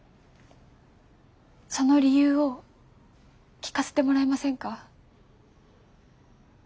その理由を聞かせてもらえませんか？